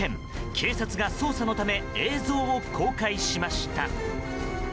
警察が、捜査のため映像を公開しました。